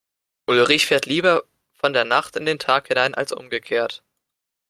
Ulrich fährt lieber von der Nacht in den Tag hinein als umgekehrt.